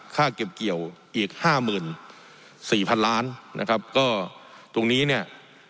ค่าเกี่ยวอีก๕๔๐๐๐ล้านนะครับก็ตรงนี้เนี่ย